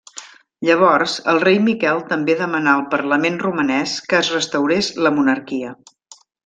Llavors, el rei Miquel també demanà al Parlament romanès que es restaurés la monarquia.